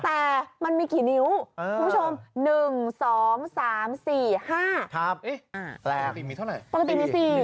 แต่มันมีกี่นิ้วคุณผู้ชม๑๒๓๔๕